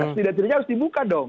dan setidaknya harus dibuka dong